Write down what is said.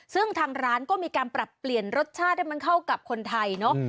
ซึ่งทางร้านก็มีการปรับเปลี่ยนรสชาติให้มันเข้ากับคนไทยเนอะ